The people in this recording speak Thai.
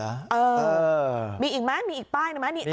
เออมีอีกไหมมีอีกป้ายไหม